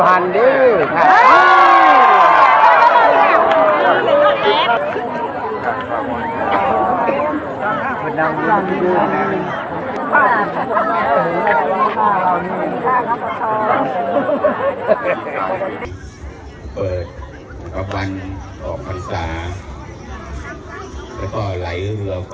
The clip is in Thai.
ห้างคนยูฒัณฑ์ดี